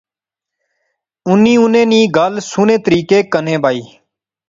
اُنی انیں نی گل سوہنے طریقے کنے بائی